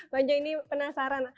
bang jho ini penasaran